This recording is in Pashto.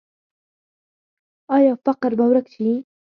آیا فقر به ورک شي؟